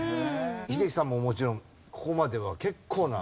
英樹さんももちろんここまでは結構な。